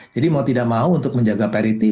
jadi mau tidak mau untuk menjaga parity